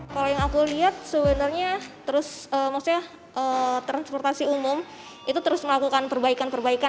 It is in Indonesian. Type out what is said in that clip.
kalau yang aku lihat transportasi umum itu terus melakukan perbaikan perbaikan